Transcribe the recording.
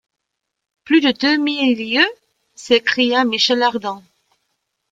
Plus de deux mille lieues! s’écria Michel Ardan.